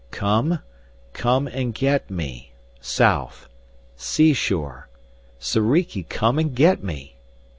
"Come come and get me south seashore Soriki come and get me!"